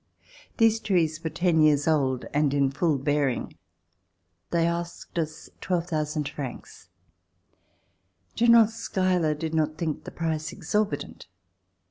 These trees were ten years old and in full bearing. They asked us 12,000 francs. General Schuyler did not think the price exorbitant.